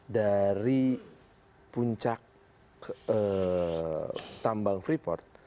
dari puncak tambang freeport